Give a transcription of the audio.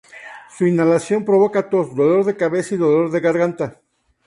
Su inhalación provoca tos, dolor de cabeza y dolor de garganta.